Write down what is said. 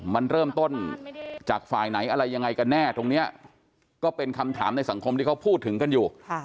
มันเริ่มต้นจากฝ่ายไหนอะไรยังไงกันแน่ตรงนี้ก็เป็นคำถามในสังคมที่เขาพูดถึงกันอยู่